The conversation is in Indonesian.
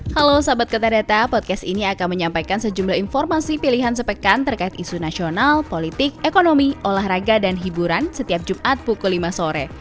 halo sahabat kata podcast ini akan menyampaikan sejumlah informasi pilihan sepekan terkait isu nasional politik ekonomi olahraga dan hiburan setiap jumat pukul lima sore